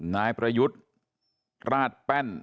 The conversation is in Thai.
นายประยุทธ์ราชแป้น